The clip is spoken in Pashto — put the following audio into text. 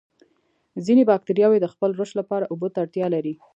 ځینې باکتریاوې د خپل رشد لپاره اوبو ته اړتیا لري.